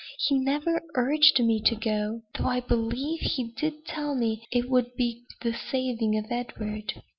He never urged me to go; though, I believe, he did tell me it would be the saving of Edward."